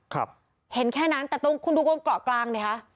ครับเห็นแค่นั้นแต่ตรงคุณดูตรงเกาะกลางดิคะ